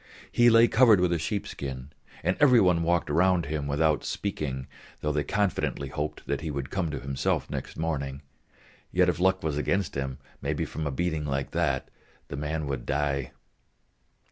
He lay covered with a sheepskin, and every one walked round him, without speaking; though they confidently hoped that he would come to himself next morning, yet if luck was against him, maybe from a beating like that, the man would die.